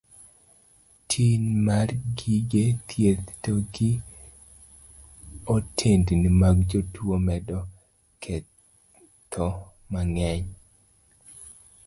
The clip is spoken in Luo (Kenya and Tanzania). Tin mar gige thieth to gi otendni mag jotuo medo ketho mang'eny.